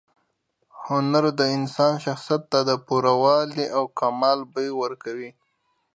هنر د انسان شخصیت ته د پوره والي او کمال بوی ورکوي.